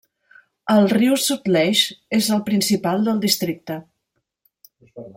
El riu Sutlej és el principal del districte.